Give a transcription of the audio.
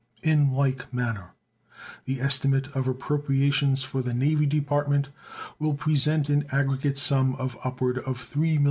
In like manner the estimate of appropriations for the Navy Department will present an aggregate sum of upward of $3,000,000.